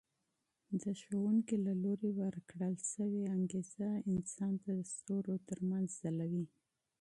د استاد له لوري ورکړل سوی انګېزه انسان د ستورو تر منځ ځلوي.